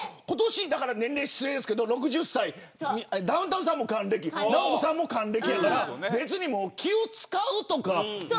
今年６０歳ダウンタウンさんも還暦直子さんも還暦やから別に気を使うとか。